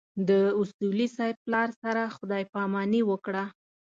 د اصولي صیب پلار سره خدای ج پاماني وکړه.